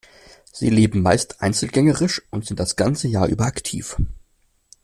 Sie leben meist einzelgängerisch und sind das ganze Jahr über aktiv.